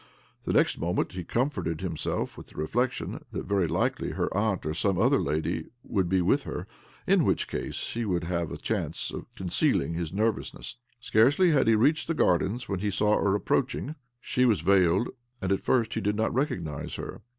The next moment he comforted himself with the reflection that very, likely hter aunt, or some other lady, would be with hter ; in which case he would have a chance of con cealing his nervousness. Scarcely had h'e reached the Gardens when he saw her approaching. She was veildd, and at first he did not recognize her.